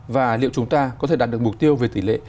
và liệu chúng ta có thể đạt được mục tiêu về tỷ lệ